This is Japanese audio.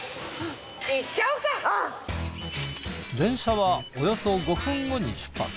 電車はおよそ５分後に出発。